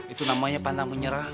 itu namanya pandang menyerah